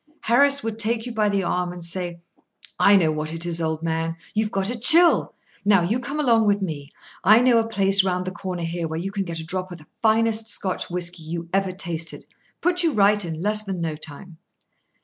Harris would take you by the arm, and say: "I know what it is, old man; you've got a chill. Now, you come along with me. I know a place round the corner here, where you can get a drop of the finest Scotch whisky you ever tasted—put you right in less than no time."